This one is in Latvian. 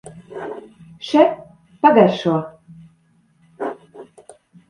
Še, pagaršo!